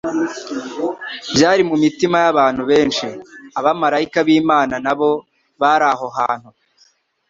byari mu mitima y'abantu benshi. Abamaraika b'Imana na bo bari aho hantu